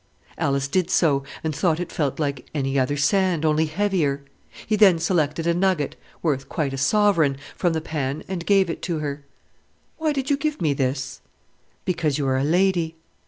Alice did so, and thought it felt like any other sand, only heavier. He then selected a nugget worth quite a sovereign from the pan and gave it to her. "Why did you give me this?" "Because you are a lady."